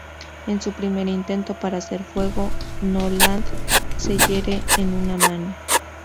En su primer intento para hacer fuego Noland se hiere en una mano.